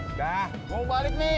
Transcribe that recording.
udah mau balik nih